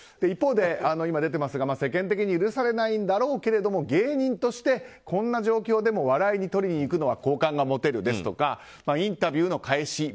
一方で今、出てますが世間的に許されないんだろうけど芸人として、こんな状況でも笑いにとりにいくのは好感が持てるですとかインタビューの返し